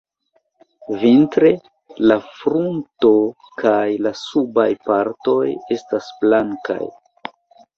Vintre, la frunto kaj la subaj partoj estas blankaj.